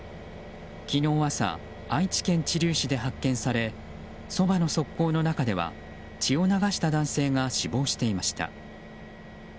昨日朝、愛知県知立市で発見されそばの側溝の中では血を流した男性が死亡していました。